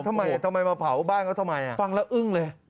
ทำไมมาเผาบ้านเขาทำไมฟังแล้วอึ้งเลย